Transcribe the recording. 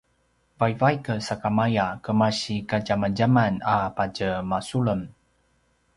vaivaik sakamaya kemasi kadjamadjaman a patje masulem